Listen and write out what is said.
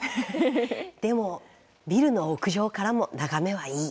でもビルの屋上からも眺めはいい。